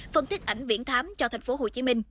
phân tích ảnh viễn thám cho tp hcm